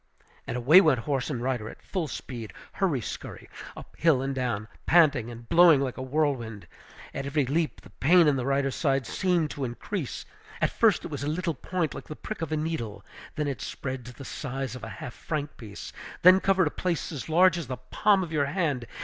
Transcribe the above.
And away went horse and rider at full speed, hurry scurry, up hill and down, panting and blowing like a whirlwind. At every leap the pain in the rider's side seemed to increase. At first it was a little point like the prick of a needle, then it spread to the size of a half franc piece, then covered a place as large as the palm of your hand.